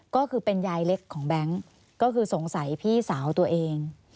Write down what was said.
ก็คือเป็นยายเล็กของแบงค์ก็คือสงสัยพี่สาวตัวเอง